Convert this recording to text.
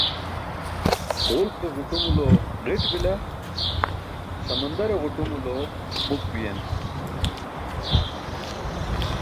Ġulke ġuṭumulo ġi̇t bila, samandare ġuṭumulo muk biyen.